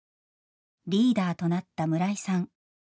リーダーとなった村井さん。